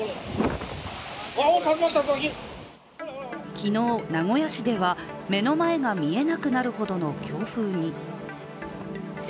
昨日、名古屋市では目の前が見えなくなるほどの強風に。